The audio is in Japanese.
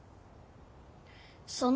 その